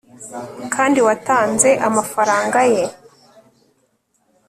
kandi watanze amafaranga ye